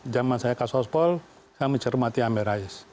jaman saya kasus pol saya mencermati amin rais